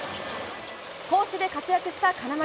攻守で活躍した金丸。